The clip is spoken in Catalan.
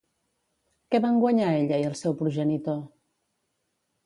Què van guanyar ella i el seu progenitor?